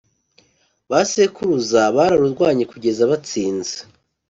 ba sekuruza bararurwanye kugeza batsinze